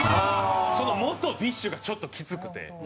その「元ＢｉＳＨ」がちょっときつくて。